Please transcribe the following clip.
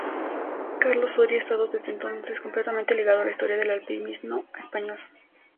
Carlos Soria ha estado desde entonces completamente ligado a la historia del alpinismo español.